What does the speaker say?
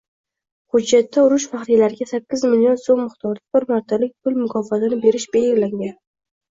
Hujjatda urush faxriylariga sakkiz million soʻm miqdorida bir martalik pul mukofotini berish belgilangan.